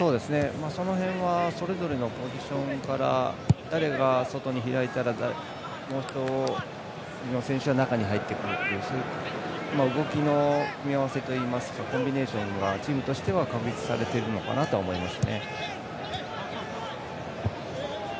その辺はそれぞれのポジションから誰が外に開いたらもう１人の選手は中に入ってくるという動きの組み合わせといいますかコンビネーションがチームとしては確立されてるのかなと思います。